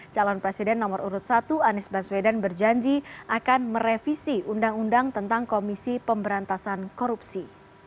calon presiden nomor urut satu anies baswedan berjanji akan merevisi undang undang tentang komisi pemberantasan korupsi